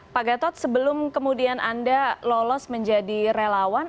pak gatot sebelum kemudian anda lolos menjadi relawan